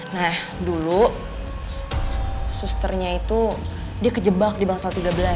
nah dulu susternya itu dia kejebak di bangsa tiga belas